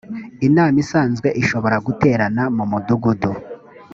inama isanzwe ishobora guterana mumudugudu.